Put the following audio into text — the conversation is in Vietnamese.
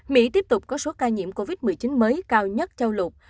mỹ tiếp tục có số ca nhiễm covid một mươi chín mới cao nhất châu lục